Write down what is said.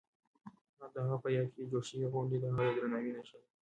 د هغه په یاد کې جوړې شوې غونډې د هغه د درناوي نښه ده.